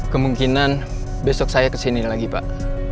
kemungkinan besok saya kesini lagi pak